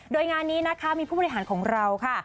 โดยงานนี้นะคะมีผู้บริหารของเราค่ะ